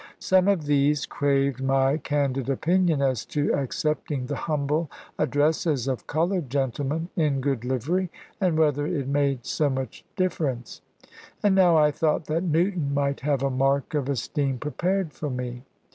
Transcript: Some of these craved my candid opinion as to accepting the humble addresses of coloured gentlemen in good livery, and whether it made so much difference. And now I thought that Newton might have a mark of esteem prepared for me.